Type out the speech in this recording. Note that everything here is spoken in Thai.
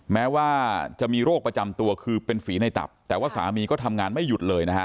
แม้ว่าจะมีโรคประจำตัวคือเป็นฝีในตับแต่ว่าสามีก็ทำงานไม่หยุดเลยนะฮะ